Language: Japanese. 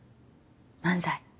漫才。